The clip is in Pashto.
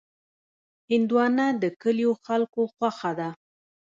هندوانه د کلیو خلکو خوښه ده.